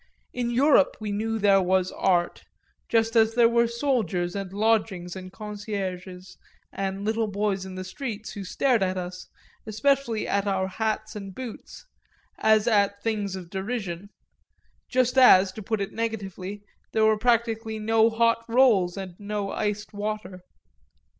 In Europe we knew there was Art, just as there were soldiers and lodgings and concierges and little boys in the streets who stared at us, especially at our hats and boots, as at things of derision just as, to put it negatively, there were practically no hot rolls and no iced water.